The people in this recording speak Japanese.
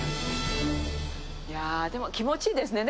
いやぁ、でも、気持ちいいですね。